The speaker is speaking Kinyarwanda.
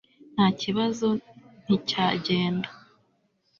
ntakibazo, nticyagenda